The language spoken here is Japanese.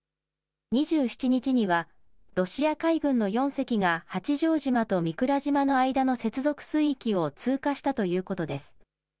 ２７日にはロシア海軍の４隻が八丈島と御蔵島の間の接続水域を通過したということです。